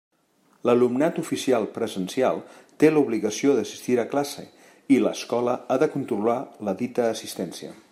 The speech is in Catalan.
L'alumnat oficial presencial té l'obligació d'assistir a classe i l'escola ha de controlar la dita assistència.